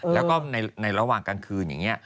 แล้วก็ในระหว่างกลางคืนอย่างนี้